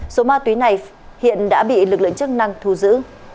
số ma túy này hiện đã bị lực lượng chức năng thu giữ